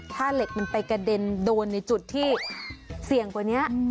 ถ้าเหล็กมันไปกระเด็นโดนในจุดที่เสี่ยงกว่านี้